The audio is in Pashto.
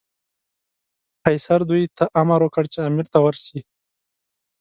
قیصر دوی ته امر وکړ چې امیر ته ورسي.